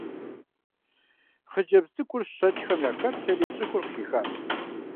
Хъыджэбз цӀыкӀур щэкӀхэм яхэплъэри щӀыхур къыхихащ.